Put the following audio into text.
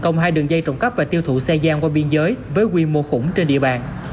công an đã thành công hai đường dây trọng cấp và tiêu thụ xe gian qua biên giới với quy mô khủng trên địa bàn